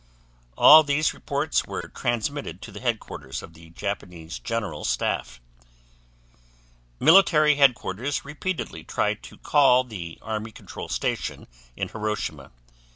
All these reports were transmitted to the Headquarters of the Japanese General Staff. Military headquarters repeatedly tried to call the Army Control Station in Hiroshima.